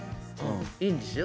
いいんですよ